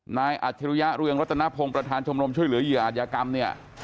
นายอัธิรัยริยานประธานชมรมช่วยเหลือเยอะอาชญากรรมเนี่ย